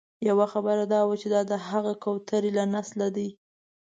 یوه خبره دا وه چې دا د هغه کوترې له نسله دي.